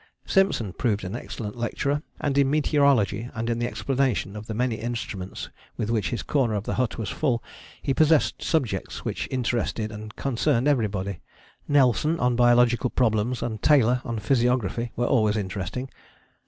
Simpson proved an excellent lecturer, and in meteorology and in the explanation of the many instruments with which his corner of the hut was full he possessed subjects which interested and concerned everybody. Nelson on Biological Problems and Taylor on Physiography were always interesting.